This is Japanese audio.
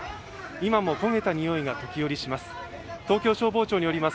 今も焦げたにおいが時折します。